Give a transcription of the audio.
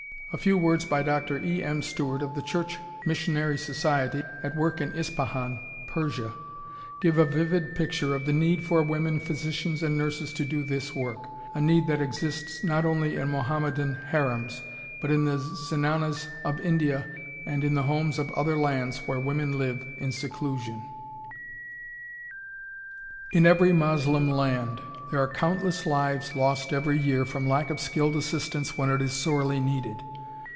A few words by Dr. E. M. Stuart of the Church Missionary Society, at work in Ispahan, Persia, give a vivid picture of the need for women physicians and nurses to do this work, a need that exists not only in Mohammedan harems, but in the zenanas of India and in the homes of other lands where women live in seclusion. [Illustration: HOW BEDOUIN MOTHERS CARRY THEIR BABIES] In every Moslem land there are countless lives lost every year from lack of skilled assistance when it is sorely needed....